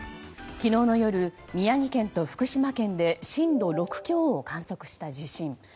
昨日の夜、宮城県と福島県で震度６強を観測した地震。